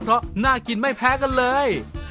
เพราะน่ากินไม่แพ้กันเลย